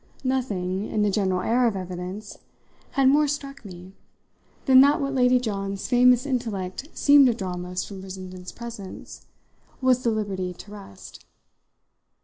Nothing in the general air of evidence had more struck me than that what Lady John's famous intellect seemed to draw most from Brissenden's presence was the liberty to rest.